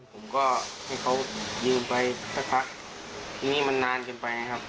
ผมก็ให้เขายืมไปสักพักทีนี้มันนานเกินไปครับ